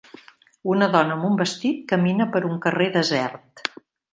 Una dona amb un vestit camina per un carrer desert.